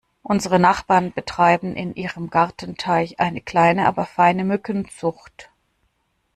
Unsere Nachbarn betreiben in ihrem Gartenteich eine kleine aber feine Mückenzucht.